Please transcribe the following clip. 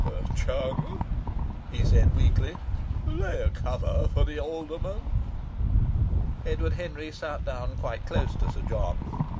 "Chung," he said weakly, "lay a cover for the Alderman." Edward Henry sat down quite close to Sir John.